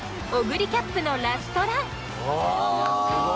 オグリキャップのラストラン！